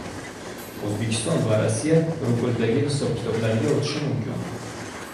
O‘zbekiston va Rossiya rubldagi hisob-kitoblarga o‘tishi mumkin